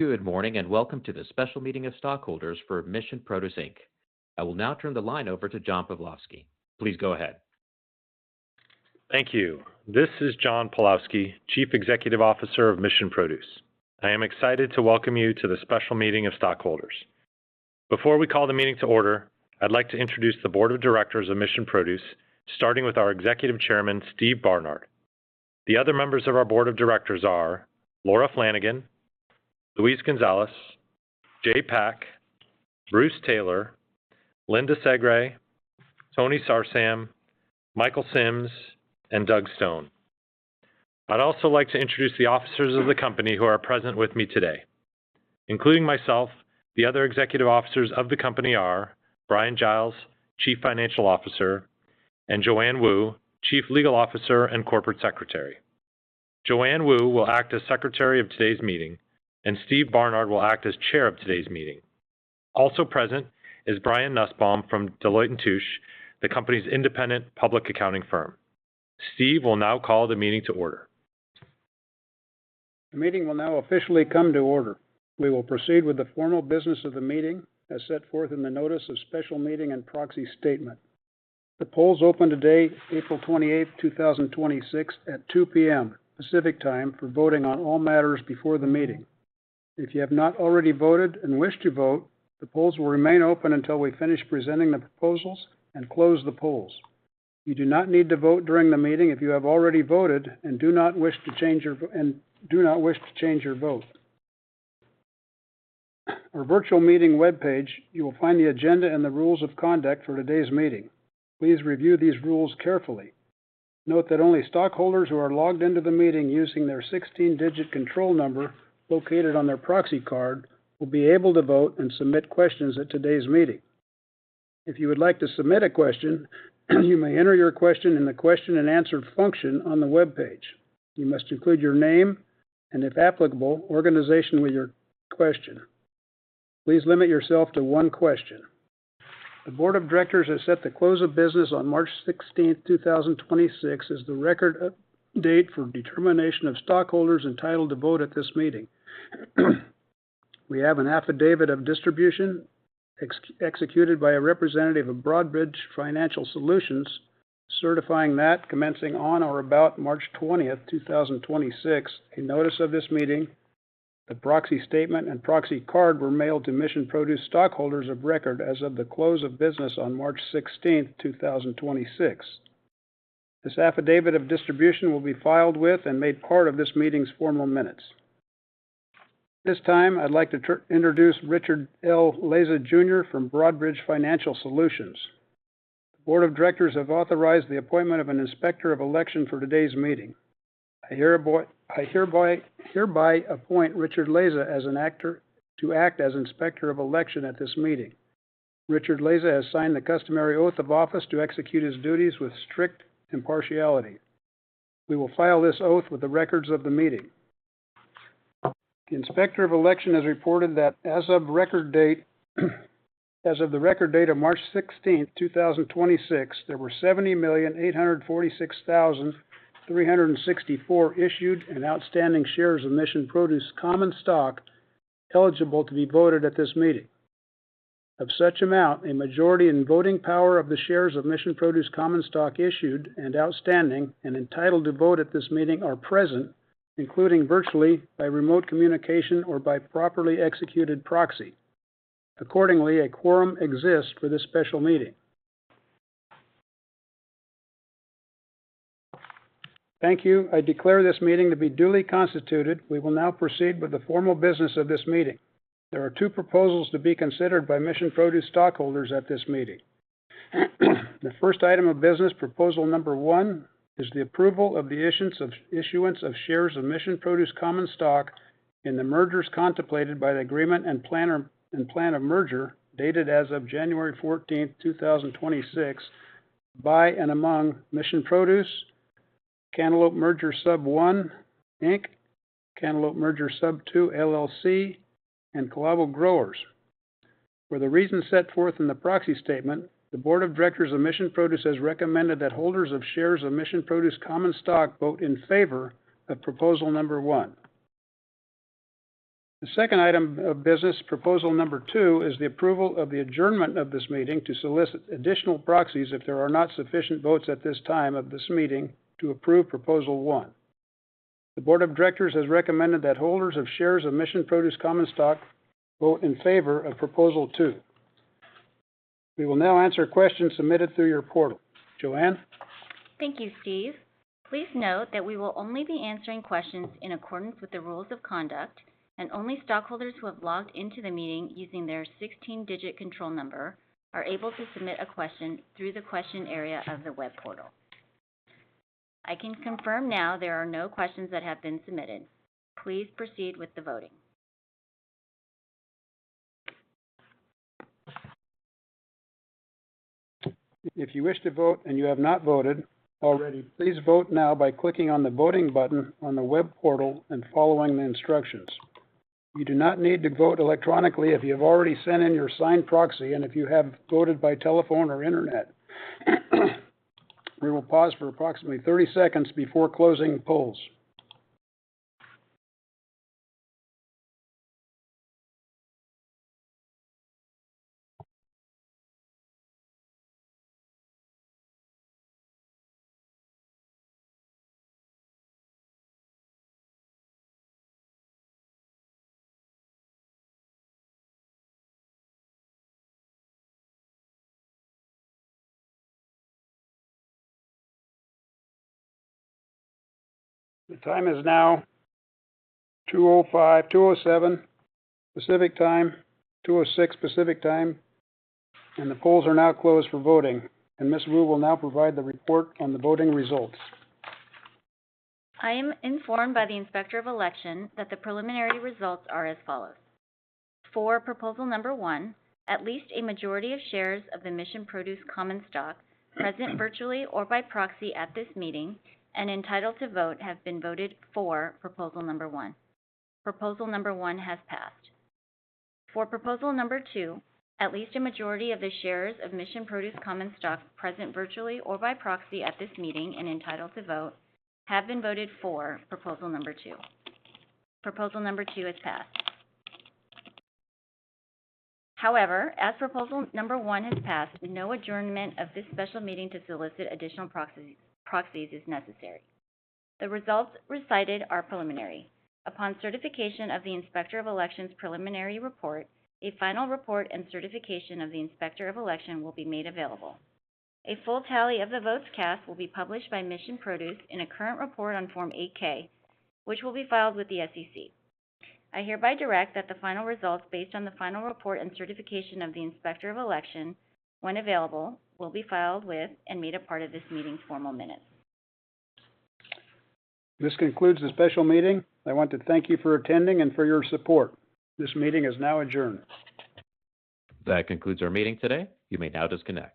Good morning. Welcome to the special meeting of stockholders for Mission Produce Inc. I will now turn the line over to John Pawlowski. Please go ahead. Thank you. This is John Pawlowski, Chief Executive Officer of Mission Produce. I am excited to welcome you to the special meeting of stockholders. Before we call the meeting to order, I'd like to introduce the board of directors of Mission Produce, starting with our Executive Chairman, Steve Barnard. The other members of our board of directors are Laura Flanagan, Luis Gonzalez, Jay Pack, Bruce Taylor, Linda Segre, Tony Sarsam, Michael Sims, and Doug Stone. I'd also like to introduce the officers of the company who are present with me today. Including myself, the other executive officers of the company are Bryan Giles, Chief Financial Officer, and Joanne Wu, Chief Legal Officer and Corporate Secretary. Joanne Wu will act as secretary of today's meeting, and Steve Barnard will act as chair of today's meeting. Also present is Brian Nussbaum from Deloitte & Touche, the company's independent public accounting firm. Steve will now call the meeting to order. The meeting will now officially come to order. We will proceed with the formal business of the meeting as set forth in the notice of special meeting and proxy statement. The polls opened today, April 28th, 2026, at 2:00 P.M. Pacific Time for voting on all matters before the meeting. If you have not already voted and wish to vote, the polls will remain open until we finish presenting the proposals and close the polls. You do not need to vote during the meeting if you have already voted and do not wish to change your vote. On our virtual meeting webpage, you will find the agenda and the rules of conduct for today's meeting. Please review these rules carefully. Note that only stockholders who are logged into the meeting using their 16-digit control number located on their proxy card will be able to vote and submit questions at today's meeting. If you would like to submit a question, you may enter your question in the question and answer function on the webpage. You must include your name and, if applicable, organization with your question. Please limit yourself to one question. The board of directors has set the close of business on March 16th, 2026 as the record date for determination of stockholders entitled to vote at this meeting. We have an affidavit of distribution executed by a representative of Broadridge Financial Solutions certifying that commencing on or about March 20th, 2026, a notice of this meeting, a proxy statement, and proxy card were mailed to Mission Produce stockholders of record as of the close of business on March 16th, 2026. This affidavit of distribution will be filed with and made part of this meeting's formal minutes. At this time, I'd like to introduce Richard L. Laza Jr. from Broadridge Financial Solutions. The board of directors have authorized the appointment of an Inspector of Election for today's meeting. I hereby appoint Richard Laza to act as Inspector of Election at this meeting. Richard Laza has signed the customary oath of office to execute his duties with strict impartiality. We will file this oath with the records of the meeting. The Inspector of Election has reported that as of the record date of March 16th, 2026, there were 70,846,364 issued and outstanding shares of Mission Produce common stock eligible to be voted at this meeting. Of such amount, a majority in voting power of the shares of Mission Produce common stock issued and outstanding and entitled to vote at this meeting are present, including virtually by remote communication or by properly executed proxy. Accordingly, a quorum exists for this special meeting. Thank you. I declare this meeting to be duly constituted. We will now proceed with the formal business of this meeting. There are two proposals to be considered by Mission Produce stockholders at this meeting. The first item of business, proposal number one, is the approval of the issuance of shares of Mission Produce common stock in the mergers contemplated by the agreement and planned merger dated as of January 14th, 2026 by and among Mission Produce, Cantaloupe Merger Sub I, Inc., Cantaloupe Merger Sub II, LLC, and Calavo Growers. For the reasons set forth in the proxy statement, the board of directors of Mission Produce has recommended that holders of shares of Mission Produce common stock vote in favor of proposal number one. The second item of business, proposal number two, is the approval of the adjournment of this meeting to solicit additional proxies if there are not sufficient votes at this time of this meeting to approve proposal one. The board of directors has recommended that holders of shares of Mission Produce common stock vote in favor of proposal one. We will now answer questions submitted through your portal. Joanne? Thank you, Steve. Please note that we will only be answering questions in accordance with the rules of conduct, and only stockholders who have logged into the meeting using their 16-digit control number are able to submit a question through the question area of the web portal. I can confirm now there are no questions that have been submitted. Please proceed with the voting. If you wish to vote and you have not voted already, please vote now by clicking on the voting button on the web portal and following the instructions. You do not need to vote electronically if you have already sent in your signed proxy and if you have voted by telephone or internet. We will pause for approximately 30 seconds before closing polls. The time is now 2:05 P.M. 2:07 P.M. Pacific Time, 2:06 P.M. Pacific Time. The polls are now closed for voting. Ms. Wu will now provide the report on the voting results. I am informed by the Inspector of Election that the preliminary results are as follows: For proposal number one, at least a majority of shares of the Mission Produce common stock present virtually or by proxy at this meeting and entitled to vote have been voted for proposal number one. Proposal number one has passed. For proposal number two, at least a majority of the shares of Mission Produce common stock present virtually or by proxy at this meeting and entitled to vote have been voted for proposal number two. Proposal number two has passed. As proposal number one has passed, no adjournment of this special meeting to solicit additional proxies is necessary. The results recited are preliminary. Upon certification of the Inspector of Election's preliminary report, a final report and certification of the Inspector of Election will be made available. A full tally of the votes cast will be published by Mission Produce in a current report on Form 8-K, which will be filed with the SEC. I hereby direct that the final results, based on the final report and certification of the Inspector of Election, when available, will be filed with and made a part of this meeting's formal minutes. This concludes the special meeting. I want to thank you for attending and for your support. This meeting is now adjourned. That concludes our meeting today. You may now disconnect.